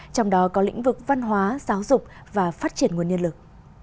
trong đó có lĩnh vực văn hóa giáo dục và phát triển nguồn nhân lực